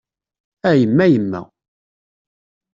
A yemma yemma!